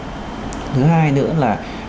thứ hai nữa là